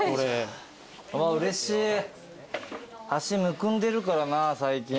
うれしい足むくんでるからな最近。